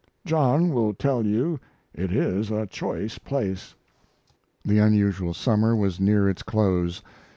John will tell you it is a choice place." The unusual summer was near its close.